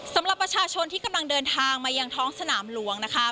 สำหรับประชาชนที่กำลังเดินทางมายังท้องสนามหลวงนะคะ